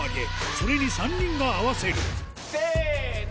それに３人が合わせるせの。